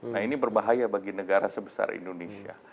nah ini berbahaya bagi negara sebesar indonesia